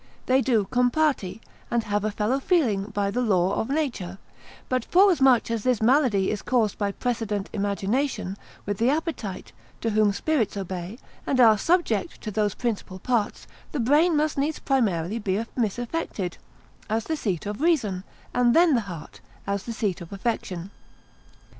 They do compati, and have a fellow feeling by the law of nature: but forasmuch as this malady is caused by precedent imagination, with the appetite, to whom spirits obey, and are subject to those principal parts, the brain must needs primarily be misaffected, as the seat of reason; and then the heart, as the seat of affection.